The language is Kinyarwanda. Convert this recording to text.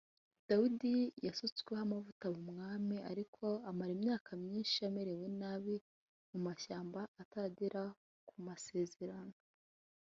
Dawidi yasutsweho amavuta aba umwami ariko amara imyaka myinshi amerewe nabi mu mashyamba ataragera ku masezerano